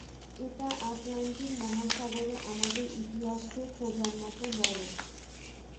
এটা আটলান্টিক মহাসাগরে আমাদের ইতিহাসকে খোঁজার মতো বড়!